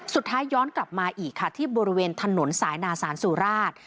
สุดท้ายย้อนกลับมาอีกค่ะที่บริเวณถนนสายนาศาลสุราช